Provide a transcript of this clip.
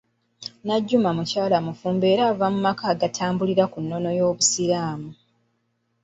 Najjuma mukyala mufumbo era ng'ava mu maka agatambulira ku nnono y'obusiraamu